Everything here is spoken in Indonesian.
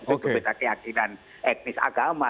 itu betanya aksinan etnis agama